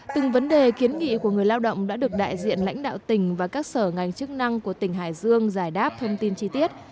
từng vấn đề kiến nghị của người lao động đã được đại diện lãnh đạo tỉnh và các sở ngành chức năng của tỉnh hải dương giải đáp thông tin chi tiết